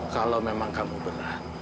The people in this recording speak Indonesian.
kalau memang kamu berat